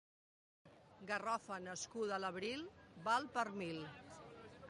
Garrofa nascuda a l'abril val per mil.